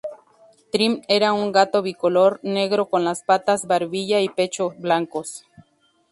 Trim era un gato bicolor, negro con las patas, barbilla y pecho blancos.